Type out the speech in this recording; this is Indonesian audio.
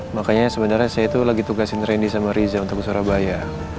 makanya sebenarnya saya itu lagi tugasin randy sama riza untuk ke surabaya